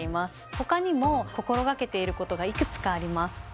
他にも心がけていることがいくつかあります。